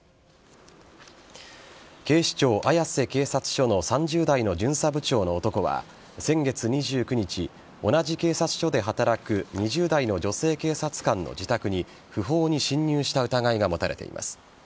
警視庁は綾瀬警察署の３０代の巡査部長の男は先月２９日、同じ警察署で働く２０代の女性警察官の自宅に不法に侵入した疑いが持たれています。